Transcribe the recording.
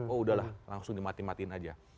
oh udahlah langsung dimati matiin aja